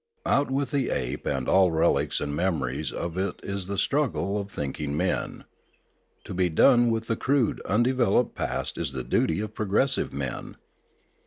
Out with the ape and all relics and memories of it is the struggle of thinking men. To be done with the crude undeveloped past is the duty of progressive men.